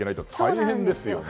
大変ですよね。